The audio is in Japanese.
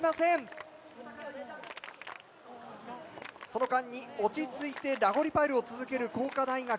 その間に落ち着いてラゴリパイルを続ける工科大学。